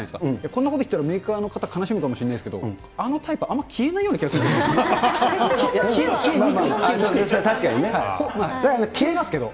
こんなこと言ったら、メーカーの方、悲しむかもしれないですけど、あのタイプ、あんまり消えないような気がするんですけど。